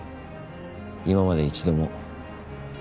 今まで１度も。